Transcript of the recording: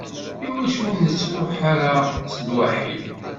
Iwacu ur nettruḥ ara lwaḥi?